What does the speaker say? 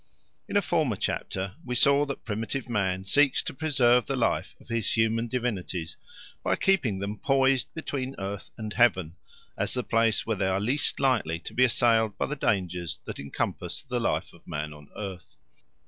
In a former chapter we saw that primitive man seeks to preserve the life of his human divinities by keeping them poised between earth and heaven, as the place where they are least likely to be assailed by the dangers that encompass the life of man on earth.